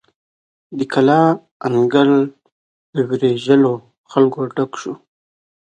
د کلا انګړ له ویرژلو خلکو ډک شو.